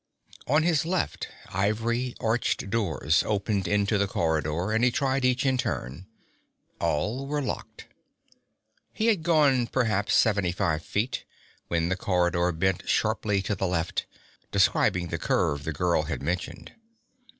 On his left, ivory, arched doors opened into the corridor, and he tried each in turn. All were locked. He had gone perhaps seventy five feet when the corridor bent sharply to the left, describing the curve the girl had mentioned.